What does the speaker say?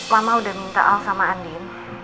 lama udah minta al sama andin